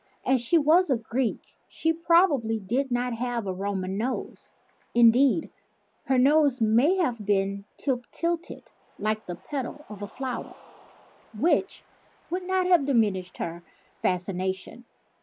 As she was a Greek she probably did not have a Roman nose; indeed her nose may have been "tip til ted like the petal of a flower," which would not have diminished her fascination.